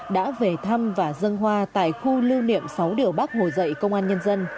đã về thăm và dân hoa tại khu lưu niệm sáu điều bắc hồ dậy công an nhân dân